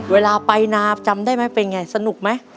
เวลาไปนาจำได้ไหมเป็นไงสนุกไหม